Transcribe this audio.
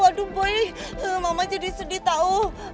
aduh boy mama jadi sedih tau